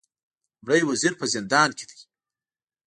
لومړی وزیر په زندان کې دی